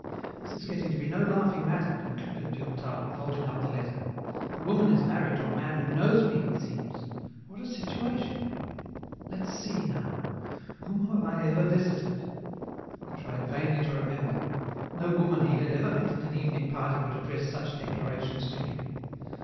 This is getting to be no laughing matter," concluded Durtal, folding up the letter. "The woman is married to a man who knows me, it seems. What a situation! Let's see, now. Whom have I ever visited?" He tried vainly to remember. No woman he had ever met at an evening party would address such declarations to him.